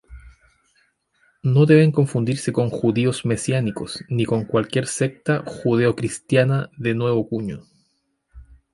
No deben confundirse con judíos mesiánicos ni con cualquier secta judeocristiana de nuevo cuño.